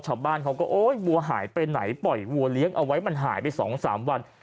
ชาวบ้านเขาก็โอ๊ยวัวหายไปไหนปล่อยวัวเลี้ยงเอาไว้มันหายไป๒๓วัน